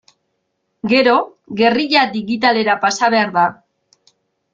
Gero, gerrilla digitalera pasa behar da.